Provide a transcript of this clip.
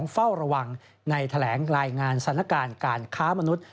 เฝ้าระวังในแถลงรายงานสถานการณ์การค้ามนุษย์